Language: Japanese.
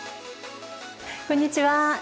こんにちは。